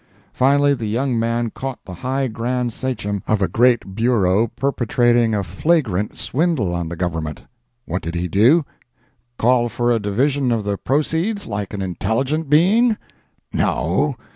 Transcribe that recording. Finally the young man caught the high grand sachem of a great bureau perpetrating a flagrant swindle on the Government! What did he do?—call for a division of the proceeds, like an intelligent being? No!